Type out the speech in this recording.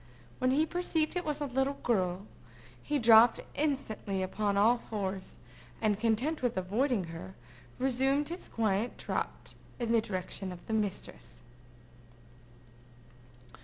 When he perceived it was a little girl, he dropped instantly upon all fours, and content with avoiding her, resumed his quiet trot in the direction of his mistress.